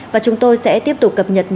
và chúng tôi sẽ tiếp tục cập nhật